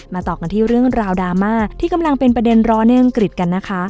ต่อกันที่เรื่องราวดราม่าที่กำลังเป็นประเด็นร้อนในอังกฤษกันนะคะ